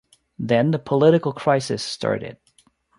Then the political crisis started.